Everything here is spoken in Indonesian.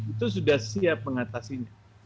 itu sudah siap mengatasinya